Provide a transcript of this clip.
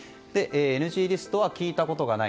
ＮＧリストは聞いたことがない。